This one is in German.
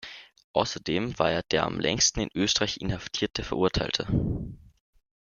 Außerdem war er der am längsten in Österreich inhaftierte Verurteilte.